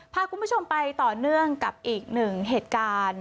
พาคุณผู้ชมไปต่อเนื่องกับอีกหนึ่งเหตุการณ์